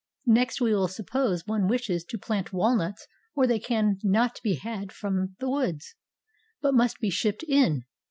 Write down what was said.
Next, we will suppose one wishes to plant walnuts where they can not be had from the woods, but must be shipped in.